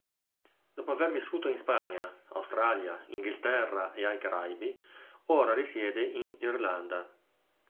Dopo aver vissuto in Spagna, Australia, Inghilterra e ai Caraibi, ora risiede in Irlanda.